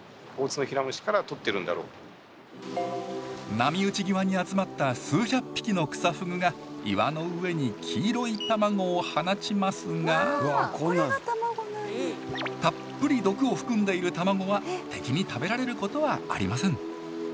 波打ち際に集まった数百匹のクサフグが岩の上に黄色い卵を放ちますがたっぷり毒を含んでいる卵は敵に食べられることはありません。